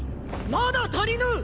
まだ足りぬ！